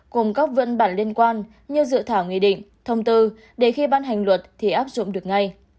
cùng các văn bản liên quan như dự thảo nghị định thông tư để khi ban hành luật thì áp dụng được ngay